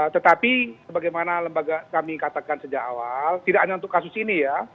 tetapi sebagaimana lembaga kami katakan sejak awal tidak hanya untuk kasus ini ya